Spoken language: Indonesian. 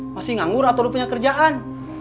masih nganggur atau udah punya kerjaan